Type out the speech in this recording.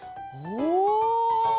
おお！